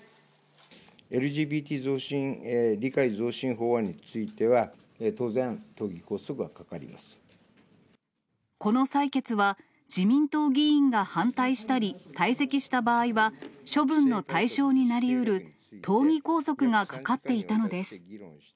ＬＧＢＴ理解増進法案については、当然、この採決は、自民党議員が反対したり退席した場合は、処分の対象になりうる党議拘束がかかっていたのです。